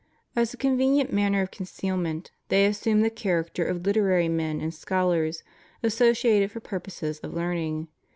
As a convenient manner of concealment, they assmne the character of literary men and scholars associated for purposes of learning.